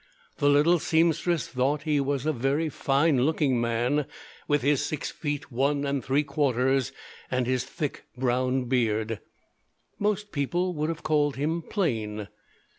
The little seamstress thought he was a very fine looking man, with his six feet one and three quarters and his thick brown beard. Most people would have called him plain.